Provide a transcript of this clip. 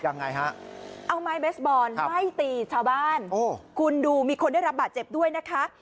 ยังไงฮะเอาไม้เบสบอลไล่ตีชาวบ้านโอ้คุณดูมีคนได้รับบาดเจ็บด้วยนะคะ